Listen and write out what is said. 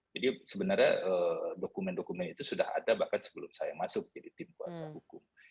jadi sebenarnya dokumen dokumen itu sudah ada bahkan sebelum saya masuk jadi tim puasa hukum